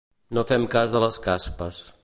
No fem cas de les caspes.